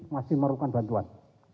masih melakukan bantuan